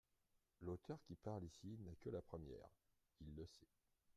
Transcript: L’auteur qui parle ici n’a que la première, il le sait.